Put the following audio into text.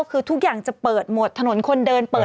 ดื่มน้ำก่อนสักนิดใช่ไหมคะคุณพี่